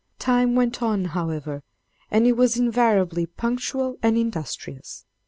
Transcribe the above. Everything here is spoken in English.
Time went on, however, and he was invariably punctual and industrious.